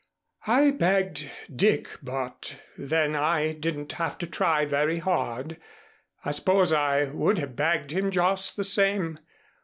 "I bagged Dick, but then I didn't have to try very hard. I suppose I would have bagged him just the same.